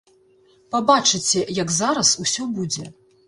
Пабачыце, як зараз усё будзе!